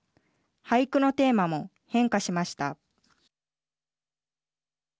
俳句のテーマも変化しました。